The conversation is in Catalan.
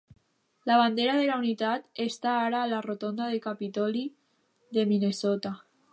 La bandera de la unitat està ara a la rotonda del Capitoli de Minnesota.